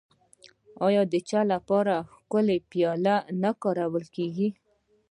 آیا د چای لپاره ښکلې پیالې نه کارول کیږي؟